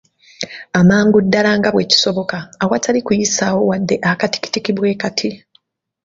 Amangu ddala nga bwe kisoboka awatali kuyisaawo wadde akatikitiki bwe kati.